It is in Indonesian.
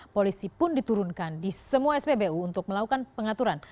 polisi pun diturunkan di semua spbu untuk melakukan pengaturan